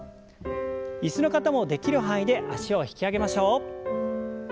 椅子の方もできる範囲で脚を引き上げましょう。